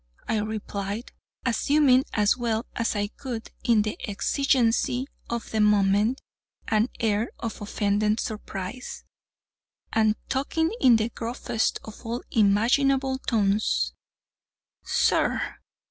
I replied, assuming, as well as I could, in the exigency of the moment, an air of offended surprise, and talking in the gruffest of all imaginable tones—"sir!